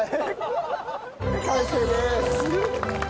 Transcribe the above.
完成です！